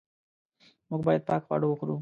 موږ باید پاک خواړه وخورو.